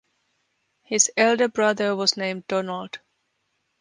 His elder brother was named Donald.